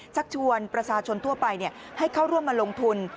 ชักชวนประชาชนทั่วไปให้เข้าร่วมมาลงทุน